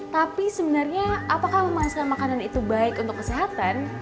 tapi sebenarnya apakah memasukkan makanan itu baik untuk kesehatan